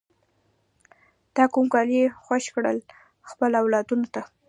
تا کوم کالی خوښ کړل خپلو اولادونو ته؟